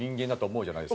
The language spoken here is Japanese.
思う。